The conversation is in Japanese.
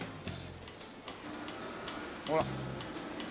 ほら。